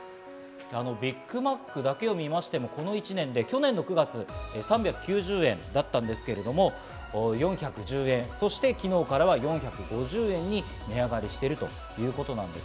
ビッグマックだけを見ましても、この１年で去年９月は３９０円だったんですが、４１０円、そして昨日からは４５０円に値上がりしているということです。